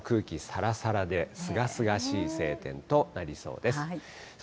ですからもう空気さらさらで、すがすがしい晴天となりそうです。